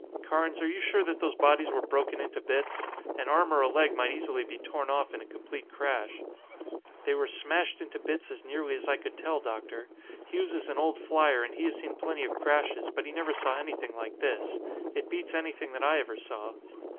"Carnes, are you sure that those bodies were broken into bits? An arm or a leg might easily be torn off in a complete crash." "They were smashed into bits as nearly as I could tell, Doctor. Hughes is an old flier and he has seen plenty of crashes but he never saw anything like this. It beats anything that I ever saw."